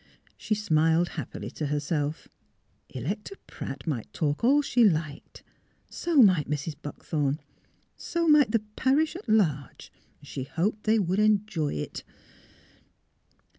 She smiled happily to herself. Electa Pratt might talk all she liked; so might Mrs. Buckthorn; so might the parish at large. She hoped they would enjoy it.